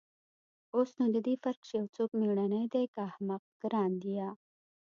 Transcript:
اوس نو د دې فرق چې يو څوک مېړنى دى که احمق گران ديه.